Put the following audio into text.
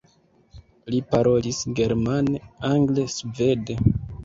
Li parolis germane, angle, svede.